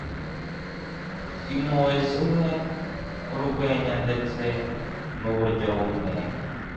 impuhwe zimwe, urwenya, ndetse n'uburyo bumwe. ”